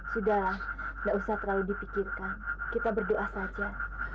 sudah tidak usah terlalu dipikirkan kita berdoa saja